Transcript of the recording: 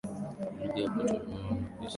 lugha ya kitumwa na kiislamu mfano waganda